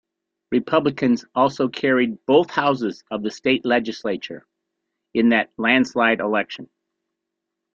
Republicans also carried both houses of the state legislature in that landslide election.